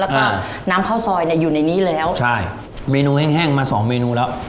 แล้วก็น้ำข้าวซอยเนี้ยอยู่ในนี้แล้วใช่เมนูแห้งแห้งมาสองเมนูแล้ว